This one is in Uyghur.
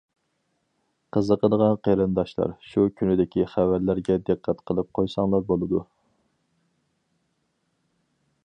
قىزىقىدىغان قېرىنداشلار شۇ كۈنىدىكى خەۋەرلەرگە دىققەت قىلىپ قويساڭلار بولىدۇ.